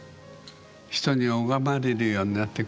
人に拝まれるようになって下さいね。